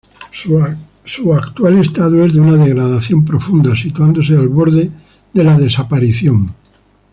Su actual estado es de una degradación profunda, situándose al borde de la desaparición.